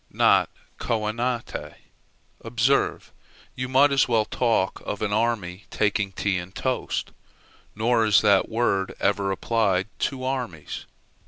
Not coenante, observe: you might as well talk of an army taking tea and toast. Nor is that word ever applied to armies.